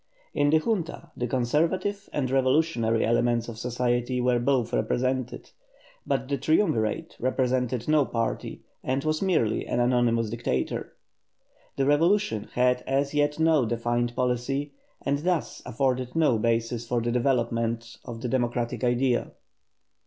In the Junta the conservative and revolutionary elements of society were both represented, but the Triumvirate represented no party, and was merely an anonymous Dictator. The revolution had as yet no defined policy, and thus afforded no basis for the development of the democratic idea.